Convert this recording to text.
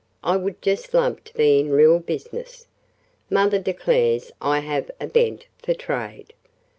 "I would just love to be in real business. Mother declares I have a bent for trade.